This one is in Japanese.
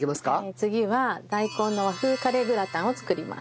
次は大根の和風カレーグラタンを作ります。